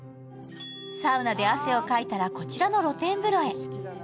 サウナで汗をかいたら、こちらの露天風呂へ。